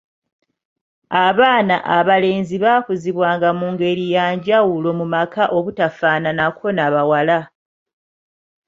Abaana abalenzi baakuzibwanga mu ngeri ya njawulo mu maka obutafaananako na bawala.